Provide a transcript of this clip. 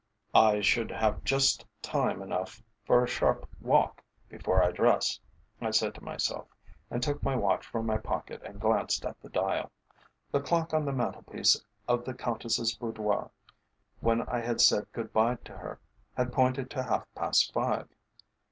"I should have just time enough for a sharp walk before I dress," I said to myself, and took my watch from my pocket and glanced at the dial. The clock on the mantel piece of the Countess's boudoir, when I had said good bye to her, had pointed to half past five.